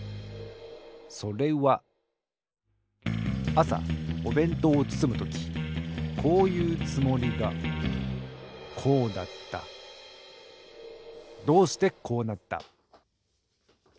それはあさおべんとうをつつむときこういうつもりがこうだったどうしてこうなった？